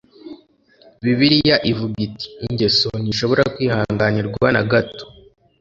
Bibiriya ivuga iti ingeso ntishobora kwihanganirwa na gato